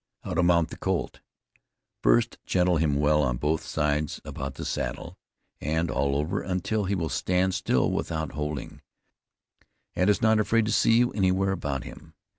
HOW TO MOUNT THE COLT. First gentle him well on both sides, about the saddle, and all over, until he will stand still without holding, and is not afraid to see you any where about him.